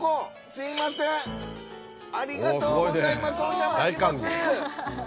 すいませんありがとうございますお邪魔します。